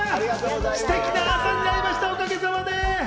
ステキな朝になりました、おかげさまで。